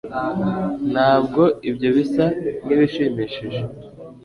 ntabwo ibyo bisa nkibishimishije